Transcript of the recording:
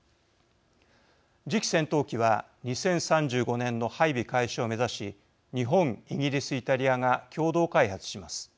次期戦闘機は２０３５年の配備開始を目指し日本・イギリス・イタリアが共同開発します。